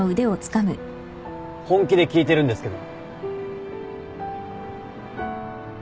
本気で聞いてるんですけど。